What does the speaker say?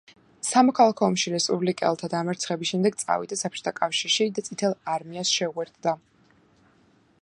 სამოქალაქო ომში რესპუბლიკელთა დამარცხების შემდეგ წავიდა საბჭოთა კავშირში და წითელ არმიას შეუერთდა.